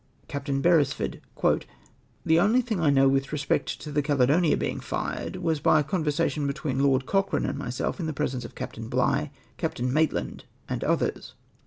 Capt. Beresford. —" The only thing I know with respect to the Calcutta being fired, was by a conversation between Lord Cochrane and myself in the presence of Captain Bligh, Captain Maitland, and others."